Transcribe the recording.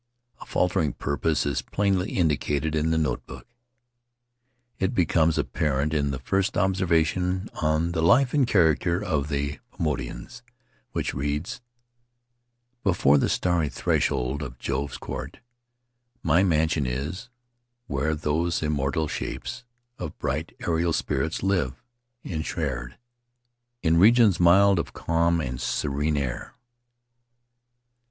A faltering purpose is plainly indicated in the note book. It becomes apparent in the first observation on 'The Life and Character of the Paumotuans," which reads: The Starry Threshold Before the starry threshold of Jove's court My mansion is; where those immortal shapes Of bright aerial spirits live ensphered In regions mild, of calm and serene air.